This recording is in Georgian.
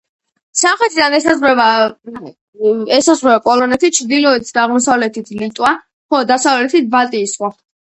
სამხრეთიდან ესაზღვრება ესაზღვრება პოლონეთი, ჩრდილოეთით და აღმოსავლეთით ლიტვა, ხოლო დასავლეთით ბალტიის ზღვა.